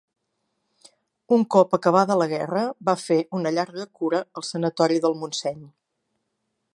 Un cop acabada la guerra va fer una llarga cura al Sanatori del Montseny.